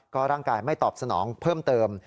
ร่างกายไม่ตอบสนองเพิ่มเติม